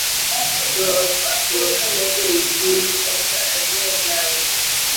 Duokane bei piny eka anyiew lawni